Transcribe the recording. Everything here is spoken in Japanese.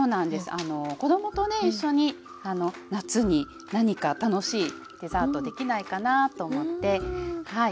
あの子どもとね一緒に夏に何か楽しいデザートできないかなと思ってはい。